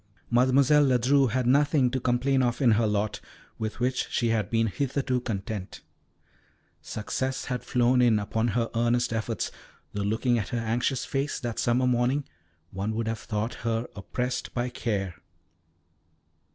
Mademoiselle Ledru had nothing to complain of in her lot, with which she had been hitherto content. Success had flowed in upon her earnest efforts, though looking at her anxious face that summer morning one would have thought her oppressed by care.